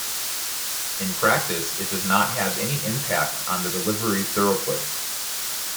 In practice it does not have any impact on delivery throughput.